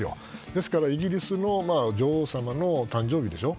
ですからイギリスの女王様の誕生日でしょ。